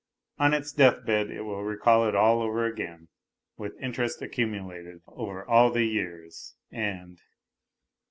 On its deathbed it will recall it all over again, with interest accumulated over all the years and.